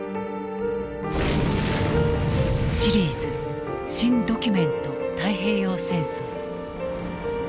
シリーズ「新・ドキュメント太平洋戦争」。